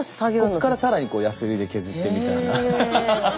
こっから更にやすりで削ってみたり。